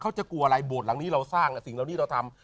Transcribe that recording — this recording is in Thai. กลัวอะไรโบสถ์หลังนี้เราสร้างสิ่งเหล่านี้เราทำ